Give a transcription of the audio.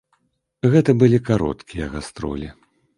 Гэта былі кароткія гастролі.